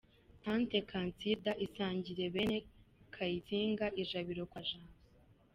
Tante Cansilida isangire bene Kayitsinga ijabiro kwa Jambo.